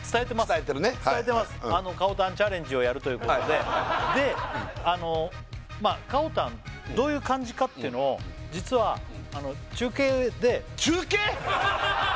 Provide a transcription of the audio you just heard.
伝えてるねかおたんチャレンジをやるということででまあかおたんどういう感じかっていうのを実は中継で中継！？